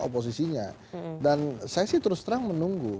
oposisinya dan saya sih terus terang menunggu